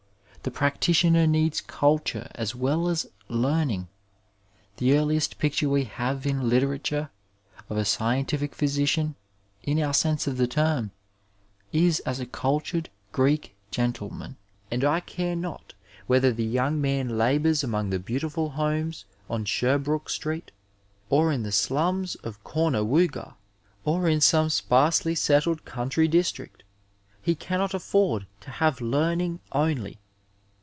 The practitioner needs culture as well as learmng. The earliest picture we have in lite rature of a scientifio physician, in our sense of the term, 801 Digitized by Google CHAUVINISM m MEDICINE is as a cnltuzed Oreek gentleman ; and I care not whether the yonng man labouis among the beautifal homes tm Sherbiooke Street, or in the slums of Canghnawanga, or in some sparsely settled country district, he cannot afioid to have learning only.